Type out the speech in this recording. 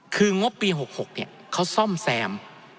คืองบปี๖๖เขาซ่อมแซม